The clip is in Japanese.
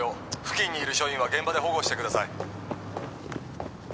付近にいる署員は現場で保護してください